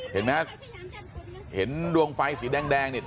เห็นไม่ครับเห็นดวงไฟสีแดง